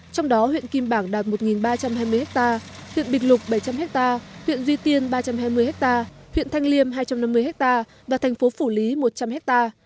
trong đó huyện kim bảng đạt một ba trăm hai mươi ha huyện bịt lục bảy trăm linh ha huyện duy tiên ba trăm hai mươi ha huyện thanh liêm hai trăm năm mươi ha và thành phố phủ lý một trăm linh ha